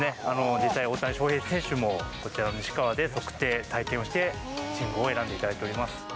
実際、大谷翔平選手もこちらの西川で測定、体験をして寝具を選んでいただいております。